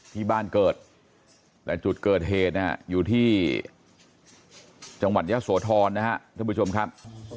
ที่บ้านเกิดและจุดเกิดเหทนะฮะอยู่ที่จังหวัดยศวทรนะฮะท่านผู้ชมครับ